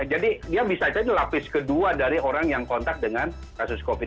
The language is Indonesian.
jadi dia bisa jadi lapis kedua dari orang yang kontak dengan kasus covid